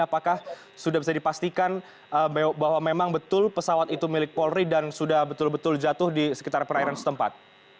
apakah sudah bisa dipastikan bahwa memang betul pesawat itu milik polri dan sudah betul betul jatuh di sekitar perairan setempat